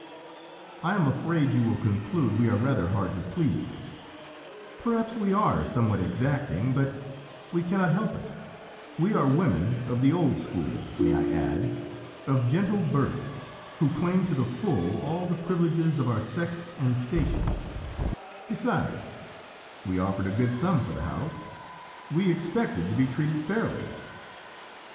"I am afraid you will conclude we are rather hard to please: perhaps we are somewhat exacting, but we cannot help it; we are women of the old school, may I add, of gentle birth, who claim to the full all the privileges of our sex and station; besides we offered a good sum for the house: we expected to be treated fairly.